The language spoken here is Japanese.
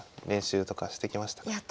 練習とかしてきましたか？